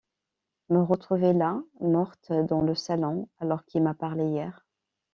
Me retrouver là, morte, dans le salon, alors qu’il m’a parlé hier.